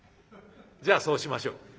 じゃあそうしましょう」。